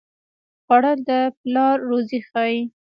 خوړل د پلار روزي ښيي